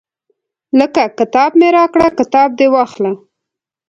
لکه کتاب مې راکړه کتاب دې واخله.